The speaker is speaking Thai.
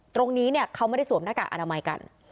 ตรงนี้เนี่ยเขาไม่ได้สวมหน้ากากอนามัยกัน